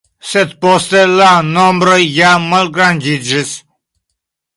Sed poste la nombroj ja malgrandiĝis.